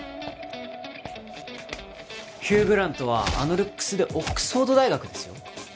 ヒュー・グラントはあのルックスでオックスフォード大学ですよ。